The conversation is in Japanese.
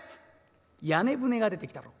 「屋根船が出てきたろ？